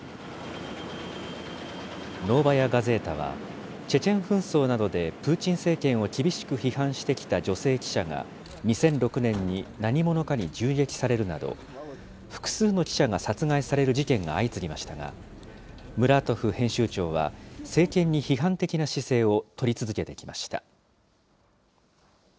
ノーバヤ・ガゼータは、チェチェン紛争などでプーチン政権を厳しく批判してきた女性記者が、２００６年に何者かに銃撃されるなど、複数の記者が殺害される事件が相次ぎましたが、ムラートフ編集長は政権に批判的な姿勢を取り続けてきました。